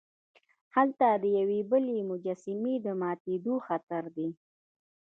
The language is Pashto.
هلته د یوې بلې مجسمې د ماتیدو خطر دی.